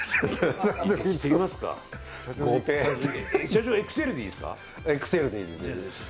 社長ＸＬでいいですか？